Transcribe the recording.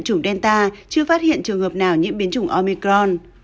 chủng delta chưa phát hiện trường hợp nào nhiễm biến chủng omicron